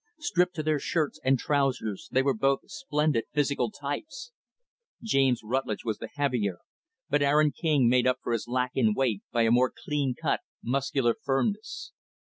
Stripped to their shirts and trousers, they were both splendid physical types. James Rutlidge was the heavier, but Aaron King made up for his lack in weight by a more clean cut, muscular firmness.